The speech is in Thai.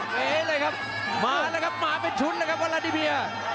แบบนี้เลยครับหมาแล้วครับหมาเป็นชุดนะครับวาลานิเมีย